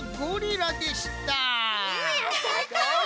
やったやった！